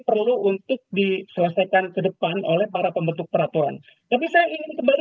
perlu untuk diselesaikan ke depan oleh para pembentuk peraturan tapi saya ingin kembali